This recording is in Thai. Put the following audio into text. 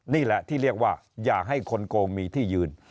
นี่แหละที่เรียกว่าอย่าให้คนโกงมีที่ยืน